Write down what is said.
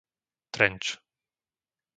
Trenč